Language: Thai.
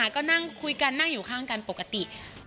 ก็นั่งคุยกันนั่งอยู่ข้างกันปกติ